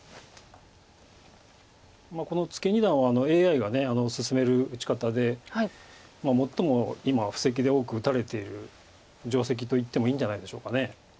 このツケ二段はＡＩが薦める打ち方で最も今布石で多く打たれている定石といってもいいんじゃないでしょうか。